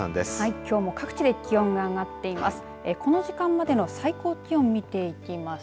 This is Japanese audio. きょうも各地で気温が上がっています。